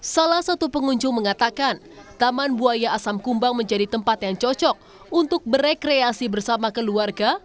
salah satu pengunjung mengatakan taman buaya asam kumbang menjadi tempat yang cocok untuk berekreasi bersama keluarga